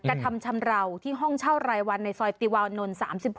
กระทำชำราวที่ห้องเช่ารายวันในซอยติวาวนนท์๓๖